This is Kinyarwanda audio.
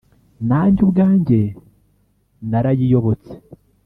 Nange ubwange narayiyobotse